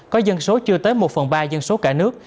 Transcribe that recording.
có dân số chưa tới một phần ba dân số cả nước